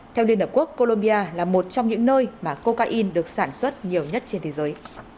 theo liên hợp quốc colombia là một trong những nơi mà cocaine được sản xuất nhiều nhất trên thế giới